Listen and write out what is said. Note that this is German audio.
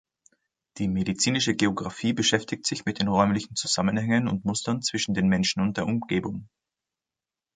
Die medizinische Geografie beschäftigt sich mit den räumlichen Zusammenhängen und Mustern zwischen den Menschen und der Umgebung.